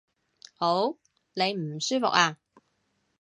嗷！你唔舒服呀？